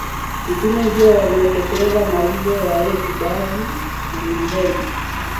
Mitume ndio waliotekeleza maagizo ya Yesu Basi enendeni